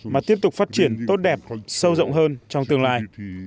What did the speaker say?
mà tiếp tục phát triển tốt đẹp sâu rộng hơn trong tương lai